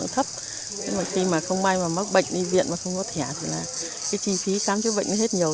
khi mà không ai mà mắc bệnh đi viện mà không có thẻ thì là cái chi phí khám chữa bệnh hết nhiều